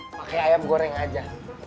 pakai ayam goreng aja